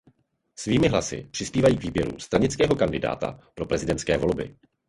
Svými hlasy přispívají k výběru stranického kandidáta pro prezidentské volby.